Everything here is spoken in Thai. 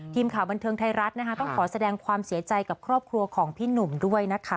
ทีมข่าวบันเทิงไทยรัฐนะคะต้องขอแสดงความเสียใจกับครอบครัวของพี่หนุ่มด้วยนะคะ